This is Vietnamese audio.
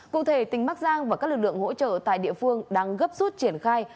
cụ thể tỉnh bắc giang và các lực lượng hỗ trợ tại địa phương đang gấp rút triển khai